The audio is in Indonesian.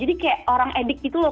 jadi kayak orang edik gitu loh